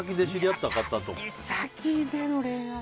旅先での恋愛。